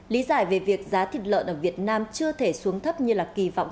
lý giải về việc giá thịt lợn ở việt nam chưa thể xuống thấp như kỳ vọng